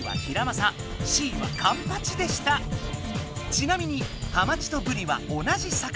ちなみにハマチとブリは同じ魚。